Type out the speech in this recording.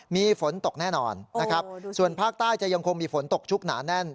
มีฝนตกแน่นอนนะครับส่วนภาคใต้จะยังคงมีฝนตกชุกหนาแน่น